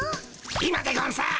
今でゴンス。